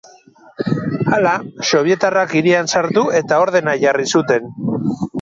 Hala, sobietarrak hirian sartu eta ordena jarri zuten.